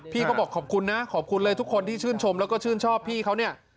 เขาบอกขอบคุณนะขอบคุณเลยทุกคนที่ชื่นชมแล้วก็ชื่นชอบพี่เขาเนี่ย